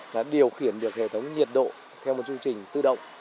đã điều khiển được hệ thống nhiệt độ theo một chương trình tự động